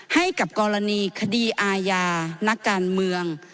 ให้กับกรณีคดีอาญานักการเมือง